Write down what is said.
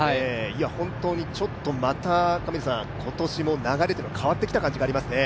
ちょっとまた今年も流れが変わってきた感じがありますね。